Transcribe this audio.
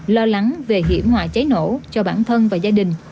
lo lắng về hiểm hòa cháy nổ cho bản thân và gia đình